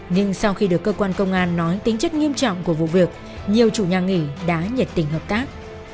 nhưng sau khi được cơ quan công an nói tính chất nghiêm trọng của vụ việc nhiều chủ nhà nghỉ đã nhiệt tình hợp tác